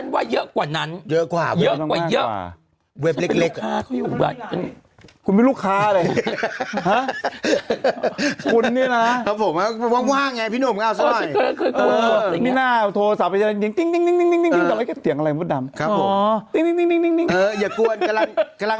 ถ้าเยอะกว่านั้นก็ต้องมากกว่าหมื่นห้าฉันว่าเยอะกว่านั้น